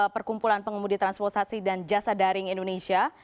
perkumpulan pengemudi transportasi dan jasa daring indonesia